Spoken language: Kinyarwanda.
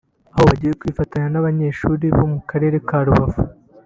aho bagiye kwifatanya n’abanyeshuri bo mu karere ka Rubavu